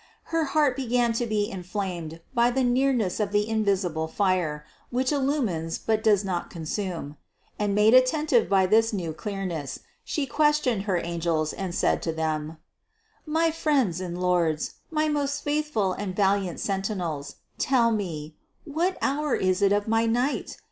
Her heart began to be inflamed by the nearness of the invisible fire, which illumines but does not consume; and made atten tive by this new clearness, She questioned her angels and said to them : "My friends and lords, my most faith ful and vigilant sentinels, tell me : what hour is it of my night?